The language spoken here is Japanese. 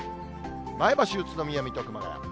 前橋、宇都宮、水戸、熊谷。